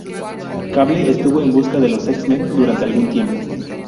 Cable estuvo en busca de los X-Men durante algún tiempo.